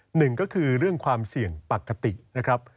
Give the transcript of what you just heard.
หนึ่งก็คือเรื่องความเสี่ยงปกตินะครับ